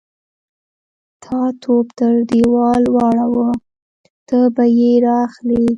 _تا توپ تر دېوال واړاوه، ته به يې را اخلې.